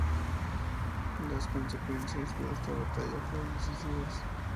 Las consecuencias de esta batalla fueron decisivas.